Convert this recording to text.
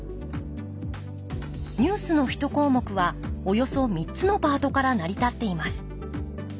ニュースの１項目はおよそ３つのパートから成り立っています。